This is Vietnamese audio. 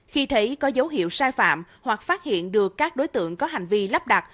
khi thấy có dấu hiệu sai phạm hoặc phát hiện được các đối tượng có hành vi lắp đặt